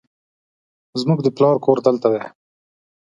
زموږ د پلار کور دلته دی